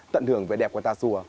tận hưởng về đẹp của tà sùa